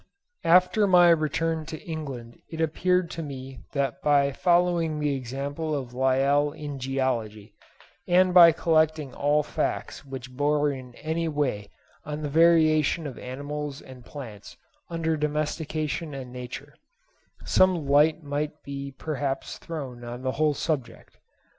After my return to England it appeared to me that by following the example of Lyell in Geology, and by collecting all facts which bore in any way on the variation of animals and plants under domestication and nature, some light might perhaps be thrown on the whole subject.